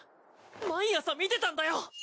毎朝見てたんだよ！